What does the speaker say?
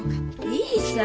いいさ。